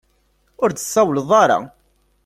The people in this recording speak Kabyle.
Ur d-tsawleḍ ara.